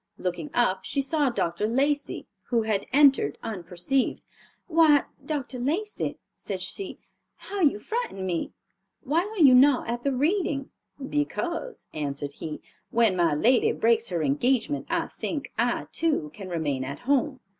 Looking up she saw Dr. Lacey, who had entered unperceived. "Why, Dr. Lacey," said she, "how you frightened me! Why are you not at the reading?" "Because," answered he, "when my lady breaks her engagement, I think I, too, can remain at home.